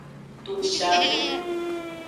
Doshanu.